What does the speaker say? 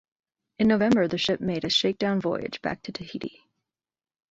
In November, the ship made a shakedown voyage back to Tahiti.